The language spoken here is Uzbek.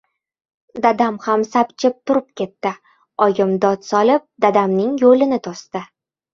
Dadam ham sapchib turib ketdi. Oyim dod solib, dadamning yo‘lini to‘sdi.